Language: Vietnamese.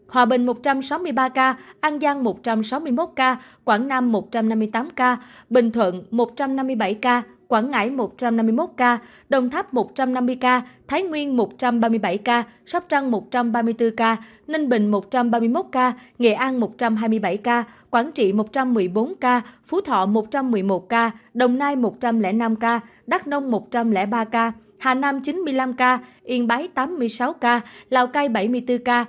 hòa bình một trăm sáu mươi ba ca an giang một trăm sáu mươi một ca quảng nam một trăm năm mươi tám ca bình thuận một trăm năm mươi bảy ca quảng ngãi một trăm năm mươi một ca đồng tháp một trăm năm mươi ca thái nguyên một trăm ba mươi bảy ca sóc trăng một trăm ba mươi bốn ca ninh bình một trăm ba mươi một ca nghệ an một trăm hai mươi bảy ca quảng trị một trăm một mươi bốn ca phú thọ một trăm một mươi một ca đồng nai một trăm linh năm ca đắk nông một trăm linh ba ca hà nam chín mươi năm ca yên bái tám mươi sáu ca lào cai bảy mươi bốn ca